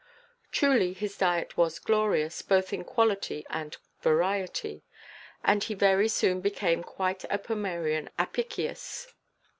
Truly, his diet was glorious, both in quality and variety; and he very soon became quite a pomarian Apicius.